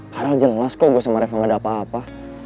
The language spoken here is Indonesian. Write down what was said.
karena jelas kok gue sama reva gak ada apa apa